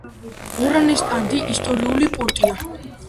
ორანესტადი ისტორიული პორტია.